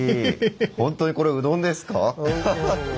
本当にこれうどんですか？